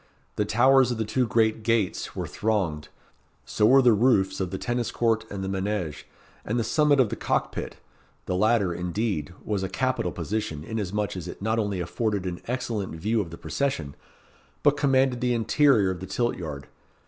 The towers of the two great gates were thronged so were the roofs of the tennis court and the manége, and the summit of the cock pit; the latter, indeed, was a capital position inasmuch as it not only afforded an excellent view of the procession, but commanded the interior of the tilt yard.